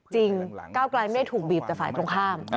ก้าวไกลไม่ได้ถูกบีบแต่ฝ่ายตรงข้าม